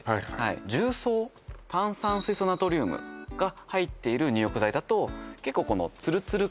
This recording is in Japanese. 重曹炭酸水素ナトリウムが入っている入浴剤だと結構このツルツル感